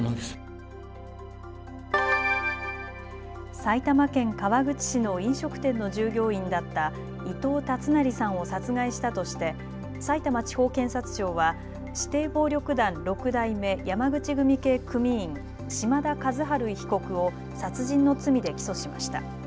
埼玉県川口市の飲食店の従業員だった伊藤竜成さんを殺害したとしてさいたま地方検察庁は指定暴力団六代目山口組系組員、島田一治被告を殺人の罪で起訴しました。